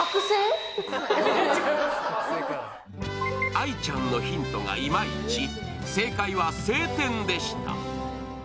愛ちゃんのヒントがいまいち正解は晴天でした。